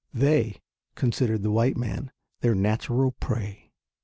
They considered the white man their natural prey.